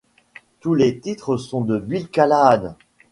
Tous les titres sont de Bill Callahan.